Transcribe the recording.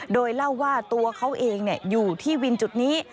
โดยเล่าว่าตัวเขาเองอยู่ที่วินจุดนี้